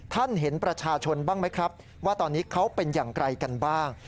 เห็นประชาชนบ้างไหมครับว่าตอนนี้เขาเป็นอย่างไรกันบ้าง